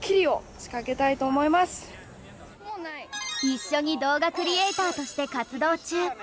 一緒に動画クリエーターとして活動中。